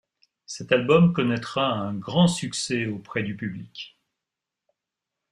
Cet album connaîtra un grand succès auprès du public.